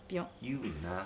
言うな。